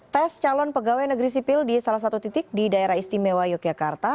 tes calon pegawai negeri sipil di salah satu titik di daerah istimewa yogyakarta